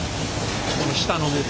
この下の部分。